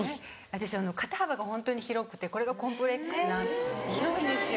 私肩幅がホントに広くてこれがコンプレックス広いんですよ。